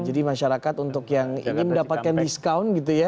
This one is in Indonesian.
jadi masyarakat untuk yang ingin mendapatkan diskon gitu ya